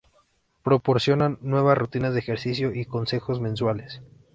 Proporcionan nuevas rutinas de ejercicio y consejos mensuales.